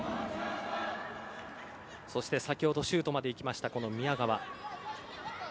先ほどシュートまで行きました宮川。